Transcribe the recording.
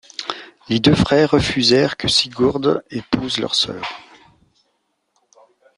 Les deux frères refusèrent que Sigurd épouse leur sœur.